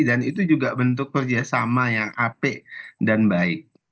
dan itu juga bentuk kerjasama yang apik dan baik